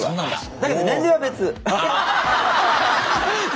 だけど年齢は別。